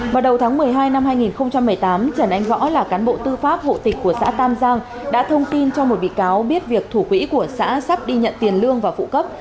vào đầu tháng một mươi hai năm hai nghìn một mươi tám trần anh võ là cán bộ tư pháp hộ tịch của xã tam giang đã thông tin cho một bị cáo biết việc thủ quỹ của xã sắp đi nhận tiền lương và phụ cấp